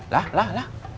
lah lah lah